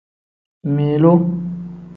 Milu.